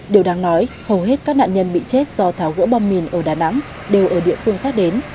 điều đáng nói hầu hết các nạn nhân bị chết do tháo gỡ bom mìn ở đà nẵng đều ở địa phương khác đến